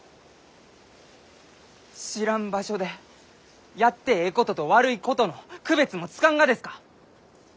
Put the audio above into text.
知らん場所でやってえいことと悪いことの区別もつかんがですか？